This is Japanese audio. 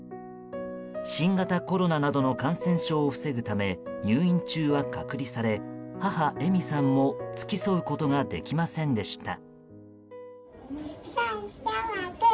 新型コロナなどの感染症を防ぐため入院中は隔離され母・絵美さんも付き添うことができませんでした。